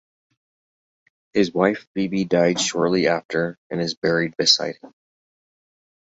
His wife Phoebe died shortly after and is buried beside him.